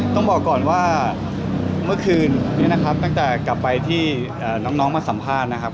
ต้องบอกก่อนว่าเมื่อคืนนี้นะครับตั้งแต่กลับไปที่น้องมาสัมภาษณ์นะครับ